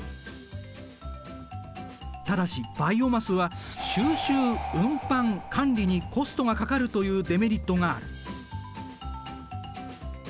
ただしバイオマスは収集・運搬・管理にコストがかかるというデメリットがある。